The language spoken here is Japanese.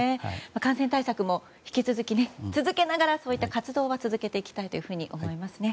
感染対策も引き続き続けながらそういった活動は続けていきたいと思いますね。